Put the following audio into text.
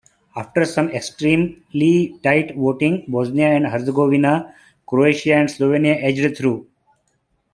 After some extremely tight voting, Bosnia and Herzegovina, Croatia and Slovenia edged through.